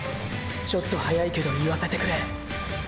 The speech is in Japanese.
ちょっと早いけど言わせてくれーー。